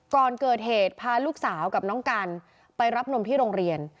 ก่อนเกิดเหตุพาลูกสาวกับน้องกันไปรับนมที่โรงเรียน